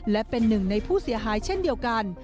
และเป็นหนึ่งในผู้เสียหายเช่นเดียวกัน